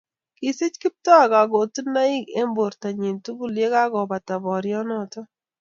kisich Kiptoo kakotunoik eng borto tugul yekakoobata boryonoto